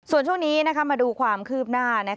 ส่วนช่วงนี้มาดูความคืบหน้า